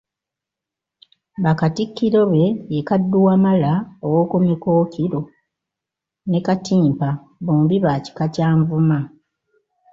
Bakatikkiro be ye Kadduwamala ow'oku Mikookiro, ne Katimpa, bombi ba kika kya Nvuma.